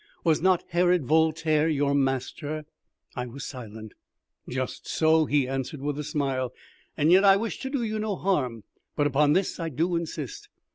Was not Herod Voltaire your master?" I was silent. "Just so," he answered with a smile; "and yet I wish to do you no harm. But upon this I do insist.